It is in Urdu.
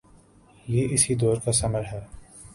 یہ اسی دور کا ثمر ہے۔